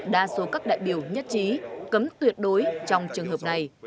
đa số các đại biểu nhất trí cấm tuyệt đối trong trường hợp này